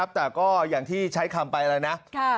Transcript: แต่ก็อย่างที่ใช้คำไปแล้วนะ